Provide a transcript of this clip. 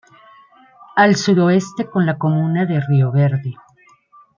Al suroeste con la Comuna de Río Verde.